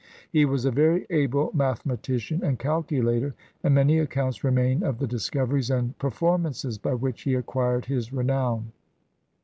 He was a very able mathematician and calculator, and many accounts remain of the discoveries and perform ances by which he acquired his renown.